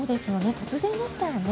突然でしたよね。